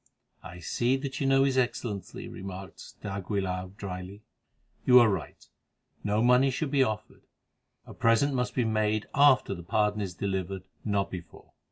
"I see that you know his Excellency," remarked d'Aguilar drily. "You are right, no money should be offered; a present must be made after the pardon is delivered—not before.